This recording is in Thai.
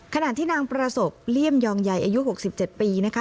ขณะที่นางประสบเลี่ยมยองใหญ่อายุ๖๗ปีนะคะ